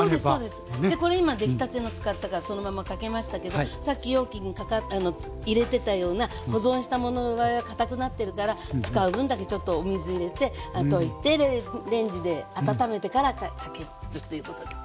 これ今出来たての使ったからそのままかけましたけどさっき容器に入れてたような保存したものの場合は堅くなってるから使う分だけちょっとお水入れてレンジで温めてからかけるということですよね。